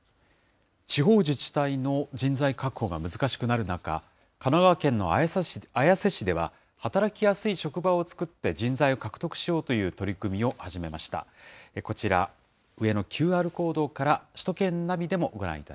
地方自治体の人材確保が難しくなる中、神奈川県の綾瀬市では、働きやすい職場を作って人材を獲得しようという取り組みを始めました。